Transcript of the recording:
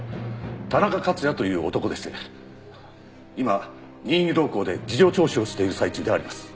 田中克也という男でして今任意同行で事情聴取をしている最中であります。